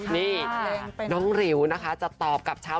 นี่มันแบบไงค่ะน้องริวนะคะจะตอบกับชาว